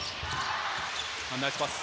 ナイスパス。